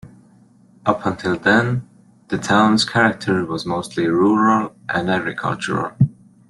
Up until then, the town's character was mostly rural and agricultural.